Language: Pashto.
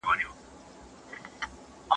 لويس ولي يوازي د اقتصادي ودي اصطلاح کاروي؟